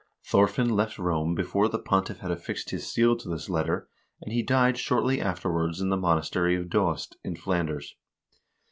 Thorfinn left Rome before the Pontiff had affixed his seal to this letter, and he died shortly afterwards in the monastery of Doest, in Flanders.